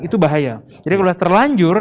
itu bahaya jadi sudah terlanjur